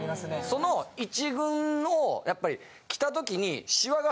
その１軍のをやっぱり着た時に。